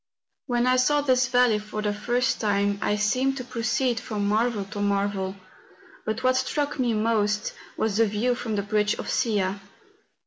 When I saw this valley for the first time I seemed to proceed from marvel to marvel; but what struck me most, was the view from the bridge of Sia.